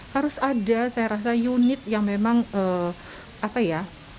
harus ada saya rasa unit yang memang apa ya